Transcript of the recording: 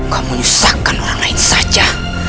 kau menyusahkan orang lain saja